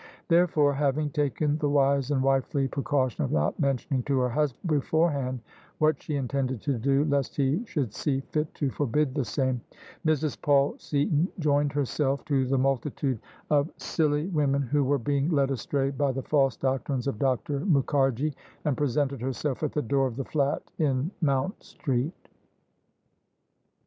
Therefore — Shaving taken the wise and wifely pre caution of not mentioning to her husband beforehand what she intended to do, lest he should see fit to forbid the same — Mrs. Paul Seaton joined herself to the multitude of silly OF ISABEL CARNABY women who were being led astray by the false doctrines of Dr. Mukharji, and presented herself at the door of the flat in Mount Street.